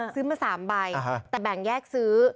ซื้อมา๓ใบแต่แบ่งแยกซื้อ